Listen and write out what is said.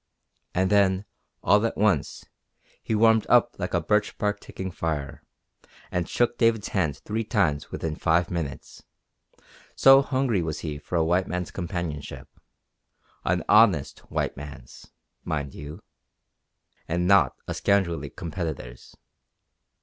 And then, all at once, he warmed up like a birch bark taking fire, and shook David's hand three times within five minutes, so hungry was he for a white man's companionship an honest white man's, mind you, and not a scoundrelly competitor's!